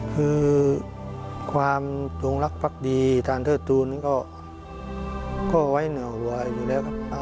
คือความจงรักภักดีทานเทิดทูลก็ไว้เหนือหัวอยู่แล้วครับ